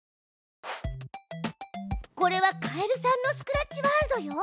これはカエルさんのスクラッチワールドよ。